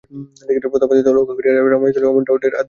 প্রতাপাদিত্যকে লক্ষ্য করিয়া রমাই কহিল, অমন ঢের ঢের আদিত্য দেখিয়াছি।